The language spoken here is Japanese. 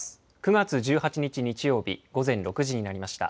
９月１８日日曜日、午前６時になりました。